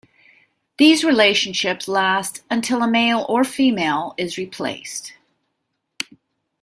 These relationships last until a male or female is replaced.